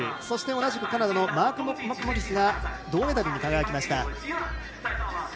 そして同じくカナダのマーク・マクモリスが銅メダルに輝きました。